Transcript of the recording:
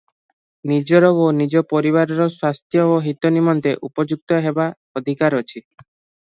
ନିଜର ଓ ନିଜ ପରିବାରର ସ୍ୱାସ୍ଥ୍ୟ ଓ ହିତ ନିମନ୍ତେ ଉପଯୁକ୍ତ ହେବା ଅଧିକାର ଅଛି ।